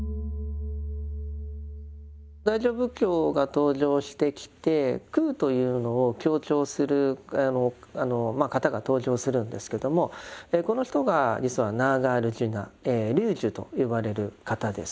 大乗仏教が登場してきて空というのを強調する方が登場するんですけどもこの人が実はナーガールジュナ龍樹と呼ばれる方です。